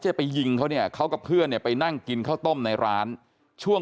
จะไปยิงเขาเนี่ยเขากับเพื่อนเนี่ยไปนั่งกินข้าวต้มในร้านช่วง